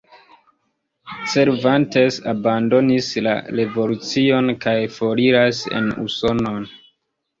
Cervantes abandonis la revolucion kaj foriras en Usonon.